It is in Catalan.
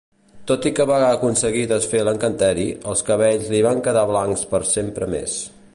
Tot i que va aconseguir desfer l'encanteri, els cabells li van quedar blancs per sempre més.